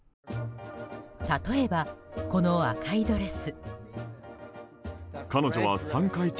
例えば、この赤いドレス。